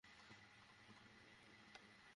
Anson কি আপনাকে বলেছে যে আমার বাবা কী করতে পারতো?